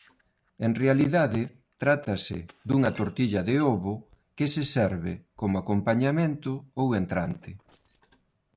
En realidade trátase dunha tortilla de ovo que se serve como acompañamento ou entrante.